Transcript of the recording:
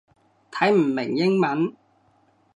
睇唔明英文